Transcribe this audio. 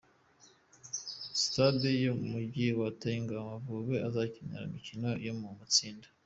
Stade yo mu mugi wa Tangier Amavubi azakiniraho imikino yo mu matsinda.